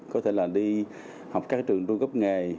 có thể là đi học các trường trung cấp nghề